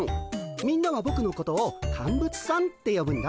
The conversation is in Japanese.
みんなはぼくのことをカンブツさんってよぶんだ。